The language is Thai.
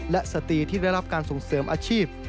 และสตรีที่ได้รับการส่งเสริมอาชีพ